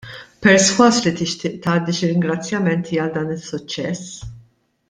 Persważ li tixtieq tgħaddi xi ringrazzjamenti għal dan is-suċċess.